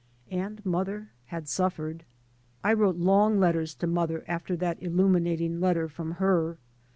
And mother had suffered. I wrote long letters to mother after that illuminating letter from her.